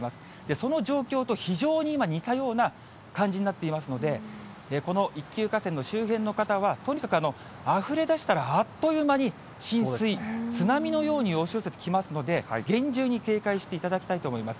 その状況と非常に今、似たような感じになっていますので、この一級河川の周辺の方は、とにかくあふれ出したら、あっという間に浸水、津波のように押し寄せてきますので、厳重に警戒していただきたいと思います。